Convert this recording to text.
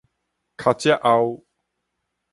尻脊後